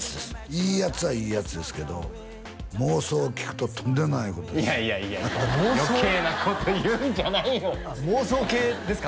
いいやつはいいやつですけど妄想聞くととんでもないことをいやいやいやいや余計なこと言うんじゃないよ妄想系ですか？